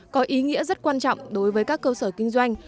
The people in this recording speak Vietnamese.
có ý nghĩa rất quan trọng đối với các cơ sở kinh doanh